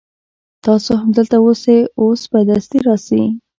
تاسو هم دلته اوسئ اوس به دستي راسي.